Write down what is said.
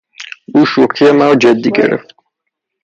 او شوخی مرا جدی گرفت.